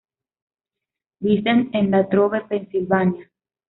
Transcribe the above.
Vincent en Latrobe, Pensilvania.